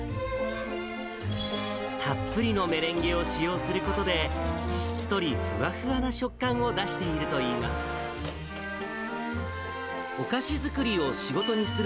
たっぷりのメレンゲを使用することで、しっとりふわふわな食感を出しているといいます。